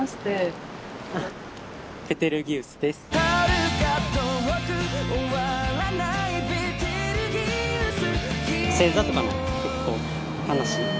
「遥か遠く終わらないベテルギウス」